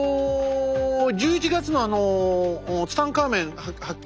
１１月のあのツタンカーメン発見。